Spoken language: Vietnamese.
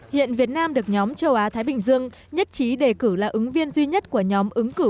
hiện việt nam được nhóm châu á thái bình dương nhất trí đề cử là ứng viên duy nhất của nhóm ứng cử